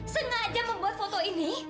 sengaja membuat foto ini